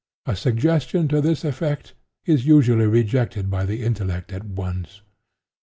A suggestion to this effect is usually rejected by the intellect at once.